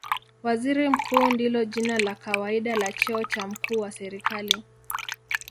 Waziri Mkuu ndilo jina la kawaida la cheo cha mkuu wa serikali.